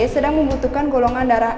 sedang membutuhkan golongan darah a plus